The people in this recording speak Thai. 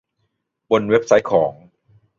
บนเว็บไซต์ของ